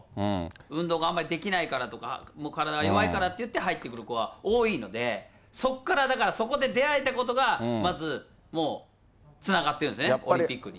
運動があんまりできないからとか、体が弱いからっていって、入ってくる子は多いので、そっからだから、そこで出会えたことが、まずもうつながってるんですね、オリンピックに。